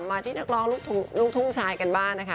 มาที่นักร้องลูกทุ่งชายกันบ้างนะคะ